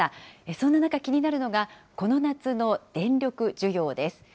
そんな中、気になるのがこの夏の電力需要です。